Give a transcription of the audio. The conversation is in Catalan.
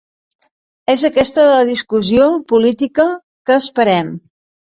És aquesta la discussió política què esperem.